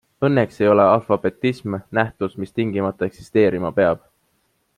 Õnneks ei ole alfabetism nähtus, mis tingimata eksisteerima peab.